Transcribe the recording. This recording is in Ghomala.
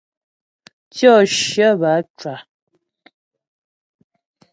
Tyɔ shyə bə á cwa.